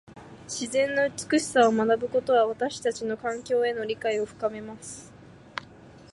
自然の美しさを学ぶことは、私たちの環境への理解を深めます。